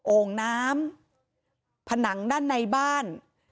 โอ่งน้ำผนังด้านในบ้าน